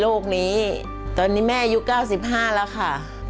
ร้องได้ให้ร้าง